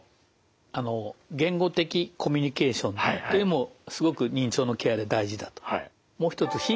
あの言語的コミュニケーションというのもすごく認知症のケアで大事だと。